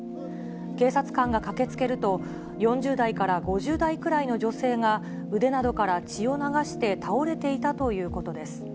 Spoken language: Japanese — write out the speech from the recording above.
警察官が駆けつけると、４０代から５０代くらいの女性が、腕などから血を流して倒れていたということです。